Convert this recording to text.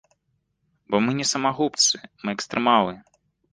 Бо мы не самагубцы, мы экстрэмалы.